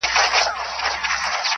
خوب مي وتښتي ستا خیال لکه غل راسي-